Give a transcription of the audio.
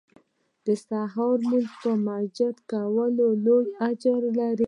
د سهار لمونځ په جماعت کول لوی اجر لري